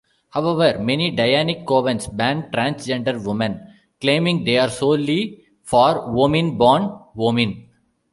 However, many Dianic covens ban transgender women, claiming they are solely for womyn-born-womyn.